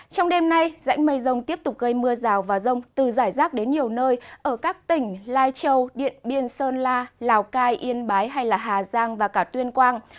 trong đêm nay rãnh mây rông tiếp tục gây mưa rào và rông từ giải rác đến nhiều nơi ở các tỉnh lai châu điện biên sơn la lào cai yên bái hay hà giang và cả tuyên quang